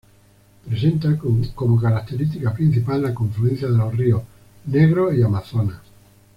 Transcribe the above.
Presenta como característica principal la confluencia de los ríos Negro y Amazonas.